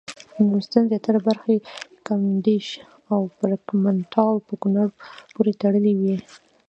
د نورستان زیاتره برخې کامدېش او برګمټال په کونړ پورې تړلې وې.